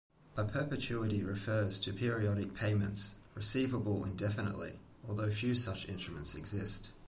A perpetuity refers to periodic payments, receivable indefinitely, although few such instruments exist.